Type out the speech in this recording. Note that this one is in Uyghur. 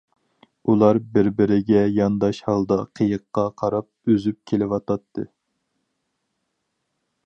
ئۇلار بىر-بىرىگە يانداش ھالدا قېيىققا قاراپ ئۈزۈپ كېلىۋاتاتتى.